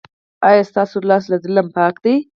ایا ستاسو لاس له ظلم پاک دی؟